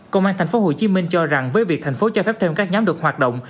công an tp hcm cho rằng với việc thành phố cho phép thêm các nhóm được hoạt động